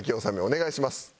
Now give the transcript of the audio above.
納めお願いします。